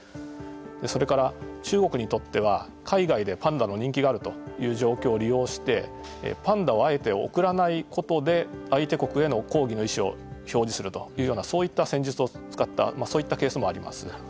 それから、中国にとっては海外でパンダの人気があるという状況を利用してパンダをあえて贈らないことで相手国への抗議の意思を表示するとそういった戦術を使ったそういったケースもあります。